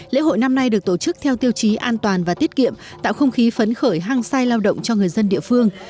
lễ hội năm nay được tổ chức theo tiêu chí an toàn và tiết kiệm tạo không khí phấn khởi hăng sai lao động cho người dân địa phương